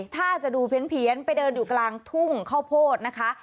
ถ้าจะดูเพี้ยนไปเดินอยู่กลางทุ่งข้าวโพดนะคะ